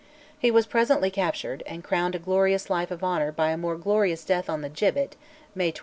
He was presently captured, and crowned a glorious life of honour by a more glorious death on the gibbet (May 21).